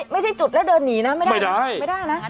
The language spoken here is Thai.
ไม่ใช่จุดแล้วเดินหนีนะไม่ได้นะจุดไม่ได้นะ